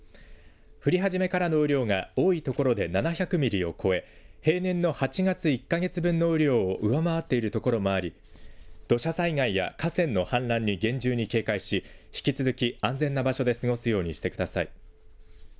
降り始めからの雨量が多いところで７００ミリを超え、平年の８月１か月分の雨量を上回っているところもあり土砂災害や河川の氾濫に厳重に警戒し、引き続き安全な場所で過ごすようにしてください。